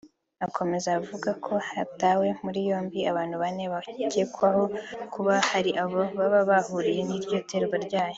Akomeza avuga ko hatawe muri yombi abantu bane bakekwaho kuba hari aho baba bahuriye n’iryo terwa ryayo